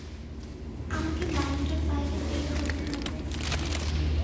আমাকে বাড়িটার বাইরে বের হতে হবে।